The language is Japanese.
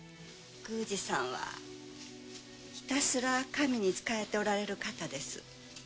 宮司さんはひたすら神に仕えておられる方です。